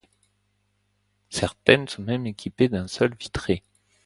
Certaines sont même équipées d'un sol vitré.